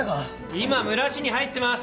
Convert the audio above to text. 今蒸らしに入ってます